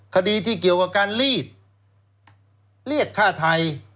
คดีที่เกี่ยวกับการลีดเรียกฆ่าไทย